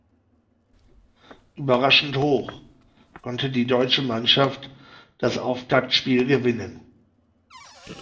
Überraschend hoch konnte die deutsche Mannschaft das Auftaktspiel gewinnen.